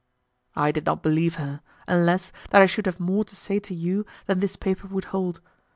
I did not believe her, and less, that I should have more to say to you than this paper would hold.